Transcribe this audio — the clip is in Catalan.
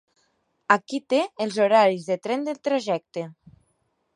Aquí té els horaris de tren del trajecte